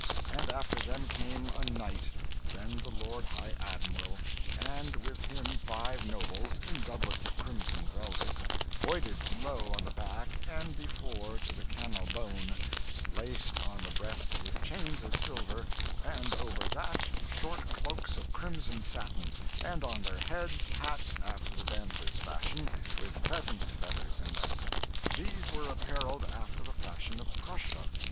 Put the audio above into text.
And after them came a knight, then the Lord High Admiral, and with him five nobles, in doublets of crimson velvet, voyded low on the back and before to the cannell bone, laced on the breasts with chains of silver; and over that, short cloaks of crimson satin, and on their heads hats after the dancers' fashion, with pheasants' feathers in them. These were appareled after the fashion of Prussia.